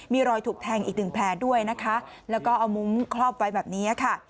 มีรอยถูกแทงอีกหนึ่งแผลด้วยนะคะแล้วก็เอามุ้งครอบไว้แบบนี้ค่ะ